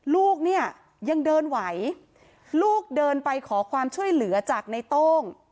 ลูกเนี่ยยังเดินไหวลูกเดินไปขอความช่วยเหลือจากในโต้ง